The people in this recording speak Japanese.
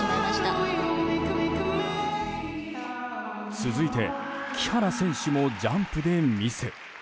続いて、木原選手もジャンプでミス。